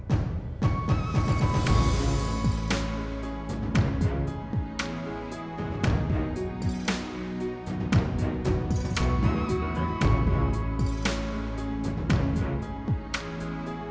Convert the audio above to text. kami juga akan mencari penyelesaian yang lebih baik